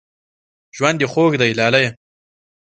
ژوند دې خوږ دی لالیه